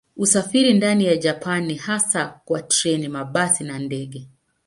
Usafiri ndani ya Japani ni hasa kwa treni, mabasi na ndege.